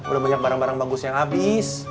udah banyak barang barang bagus yang habis